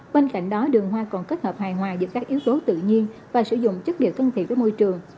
bên cạnh đó đường hoa còn kết hợp hài hòa giữa các yếu tố tự nhiên và sử dụng chất liệu thân thiện với môi trường